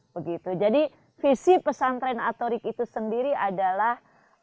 begitu jadi visi pesantren atorik itu sendiri adalah